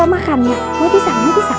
makan ya mau di sana mau di sana